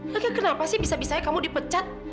haka kenapa sih bisa bisanya kamu dipecat